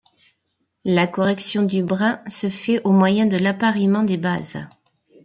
La correction du brin se fait au moyen de l’appariement des bases.